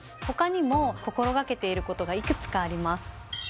他にも心がけていることがいくつかあります。